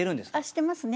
してますね。